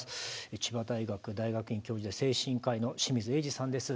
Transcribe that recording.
千葉大学大学院教授で精神科医の清水栄司さんです。